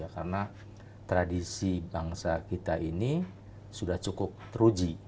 karena tradisi bangsa kita ini sudah cukup teruji